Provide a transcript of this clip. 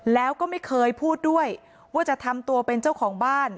แล้วก็ไม่เคยพูดด้วยว่าจะทำตัวเป็นเจ้าของบ้าน